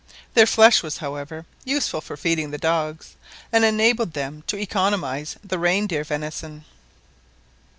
Their flesh was, however, useful for feeding the dogs, and enabled them to economise the reindeer venison.